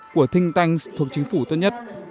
của thinh tanks thuộc chính phủ tuyên nhất